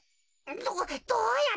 どどうやって？